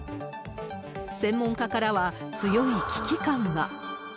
専門家からは強い危機感が。